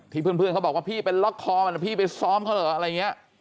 เพื่อนเขาบอกว่าพี่เป็นล็อกคอมันพี่ไปซ้อมเขาเหรออะไรอย่างนี้